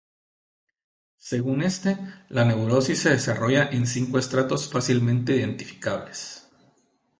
Según este, la neurosis se desarrolla en cinco estratos fácilmente identificables.